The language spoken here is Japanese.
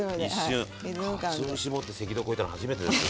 かつお節持って赤道越えたの始めてです。